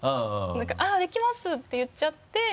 何か「あっできます」って言っちゃって。